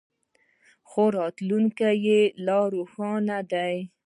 خو راتلونکی یې لا روښانه دی.